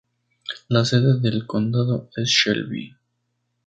La sede del condado es Shelby.